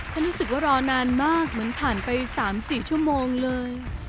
ฉันรู้สึกว่ารอนานมากเหมือนผ่านไป๓๔ชั่วโมงเลย